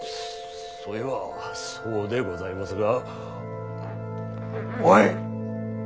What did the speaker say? そいはそうでございもすがおい。